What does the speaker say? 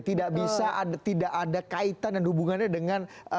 tidak bisa tidak ada kaitan dan hubungannya dengan